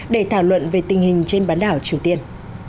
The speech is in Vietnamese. để thảo luận về tình hình trên bán đảo triều tiên